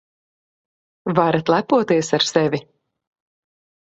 Varat lepoties ar sevi.